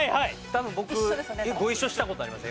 多分僕ご一緒した事あります